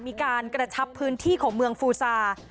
มีการกระชับพื้นที่ของเมืองฟูซา